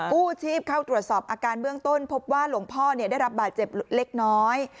กู้ชีพเข้าตรวจสอบอาการเบื้องต้นพบว่าหลวงพ่อได้รับบาดเจ็บเล็กน้อย